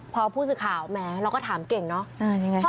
พอผู้สื่อข่าวแหมเราก็ถามเก่งเนอะ